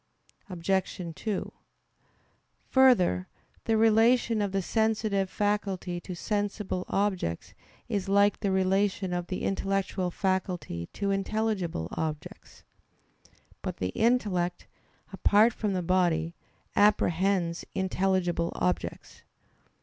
Obj. 2: Further, the relation of the sensitive faculty to sensible objects is like the relation of the intellectual faculty to intelligible objects. But the intellect, apart from the body, apprehends intelligible objects.